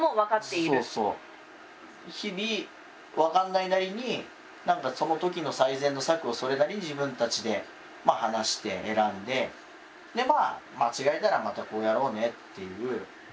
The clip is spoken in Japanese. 日々分かんないなりにその時の最善の策をそれなりに自分たちで話して選んででまあ間違えたらまたこうやろうねっていう。